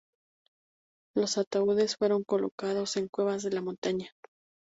Los ataúdes fueron colocados en cuevas de la montaña.